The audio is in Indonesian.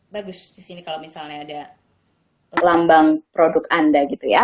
bagus di sini kalau misalnya ada lambang produk anda gitu ya